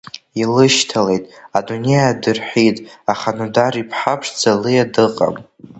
Илышьҭалеит, адунеи аадырҳәит, аха Нодар иԥҳа ԥшӡа Лиа дыҟам.